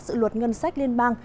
sự luật ngân sách liên bang